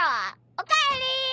おかえり！